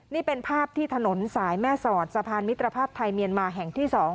นี่เป็นภาพที่ถนนสายแม่สอดสะพานมิตรภาพไทยเมียนมาแห่งที่๒